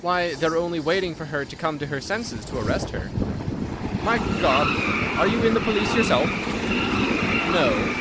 "Why, they are only waiting for her to come to her senses to arrest her." "My God! Are you in the police yourself?" "No."